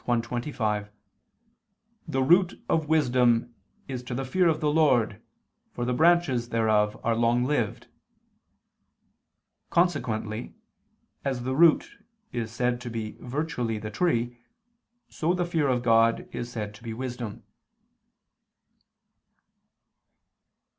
1:25): "The root of wisdom is to fear the Lord, for [Vulg.: 'and'] the branches thereof are longlived." Consequently, as the root is said to be virtually the tree, so the fear of God is said to be wisdom.